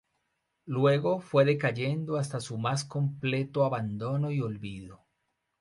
Luego fue decayendo hasta su más completo abandono y olvido.